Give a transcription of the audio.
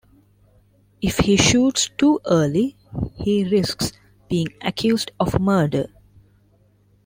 If he shoots too early, he risks being accused of murder.